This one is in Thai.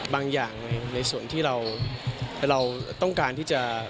บางอย่างในส่วนที่เราต้องการที่จะ